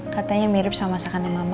katanya mirip sama masakan yang mama